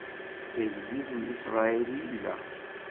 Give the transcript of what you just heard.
D agellid n Isṛayil i yella!